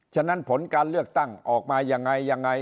ฉะนั้นผลการเลือกตั้งออกมายังไงยังไง